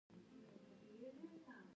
ترکانو د خپلو په سترګه ورته نه کتل.